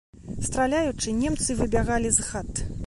Страляючы, немцы выбягалі з хат.